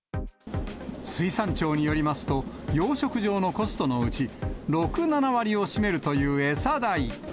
水産庁によりますと、養殖場のコストのうち、６、７割を占めるという餌代。